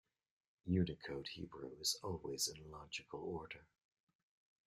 Unicode Hebrew is always in logical order.